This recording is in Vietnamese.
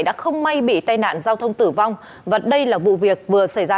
đã không may bị tai nạn giao thông tử vong và đây là vụ việc vừa xảy ra